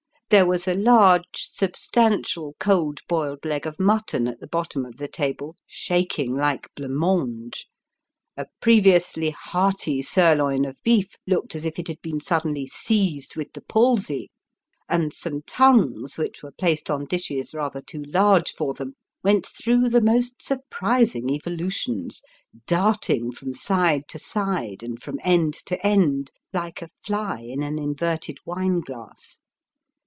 There was a large, substantial, cold boiled leg of mutton, at the bottom of the table, shaking like blanc mange ; a previously hearty sirloin of beef looked as if it had been suddenly seized with the palsy ; and some tongues, which were placed on dishes rather too large for them, went through the most surprising evolutions; darting from side to side, and from end to end, like a fly in an inverted wine glass.